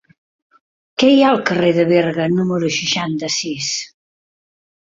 Què hi ha al carrer de Berga número seixanta-sis?